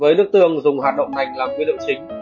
với nước tương dùng hạt động nành làm nguyên liệu chính